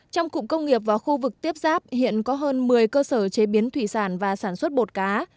trong cụm công nghiệp và khu vực tiếp giáp hiện có hơn một mươi cơ sở chế biến thủy sản và sản xuất bột cá